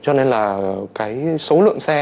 cho nên là cái số lượng xe